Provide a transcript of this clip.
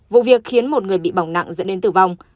vụ việc khiến một người bị bỏng nặng dẫn đến tử vong